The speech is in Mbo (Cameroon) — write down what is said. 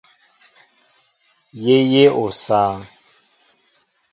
Yé yéʼ osááŋ.